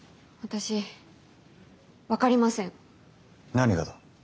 何がだ？